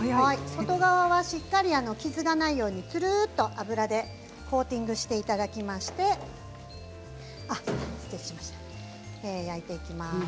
外側はしっかり傷がないように、つるんとコーティングしていただきまして焼いていきます。